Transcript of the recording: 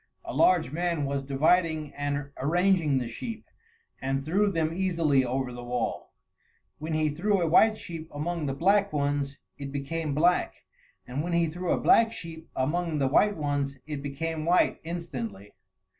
A large man was dividing and arranging the sheep, and threw them easily over the wall. When he threw a white sheep among the black ones it became black, and when he threw a black sheep among the white ones, it became white instantly.